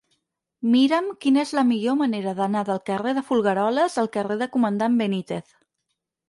Mira'm quina és la millor manera d'anar del carrer de Folgueroles al carrer del Comandant Benítez.